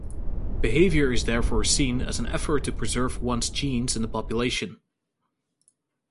Behavior is therefore seen as an effort to preserve one's genes in the population.